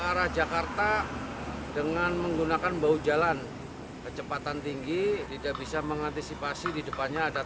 arah jakarta dengan menggunakan bahu jalan kecepatan tinggi tidak bisa mengantisipasi di depannya ada